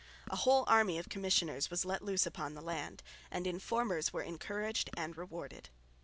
A whole army of commissioners was let loose upon the land, and informers were encouraged and rewarded.